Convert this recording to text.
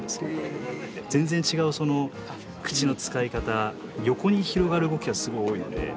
全然違う口の使い方横に広がる動きがすごい多いので。